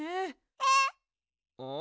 えっ？